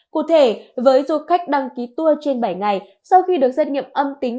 cụ thể với du khách đăng ký tour trên bảy ngày sau khi được xét nghiệm âm tính